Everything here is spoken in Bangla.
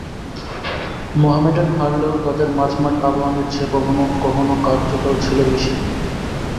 মোহামেডান হারলেও তাদের মাঝমাঠ আবাহনীর চেয়ে কখনো কখনো কার্যকর ছিল বেশি।